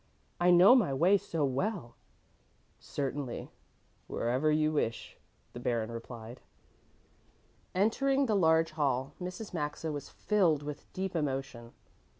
"I know my way so well." "Certainly, wherever you wish," the Baron replied. Entering the large hall, Mrs. Maxa was filled with deep emotion.